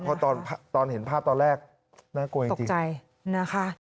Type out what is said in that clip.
เพราะตอนเห็นภาพตอนแรกน่ากลัวยังตกใจนะคะ